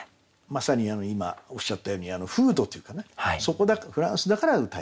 まさに今おっしゃったように風土っていうかなそこだからフランスだから詠えた。